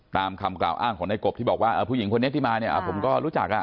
ตามคำกล่าวอ้างของในกบที่บอกว่าผู้หญิงคนนี้ที่มาเนี่ยผมก็รู้จักอ่ะ